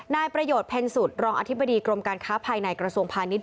นายประโยชน์เพ็ญสุดรองอธิบดีกรมการค้าภายในกระทรวงพาณิชย